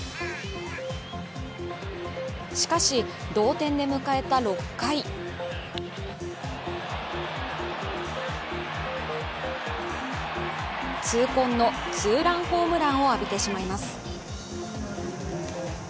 しかし、同点で迎えた６回痛恨のツーランホームランを浴びてしまいます。